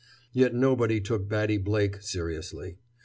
Yet nobody took Batty Blake seriously.